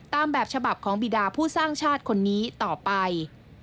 ตามแบบฉบับของบิดาผู้สร้างชาติคนนี้ต่อไป